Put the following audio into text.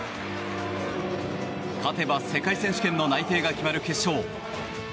勝てば世界選手権の内定が決まる決勝。